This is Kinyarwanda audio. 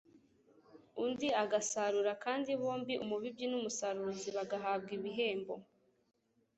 undi agasarura; kandi bombi umubibyi n’umusaruzi bagahabwa ibihembo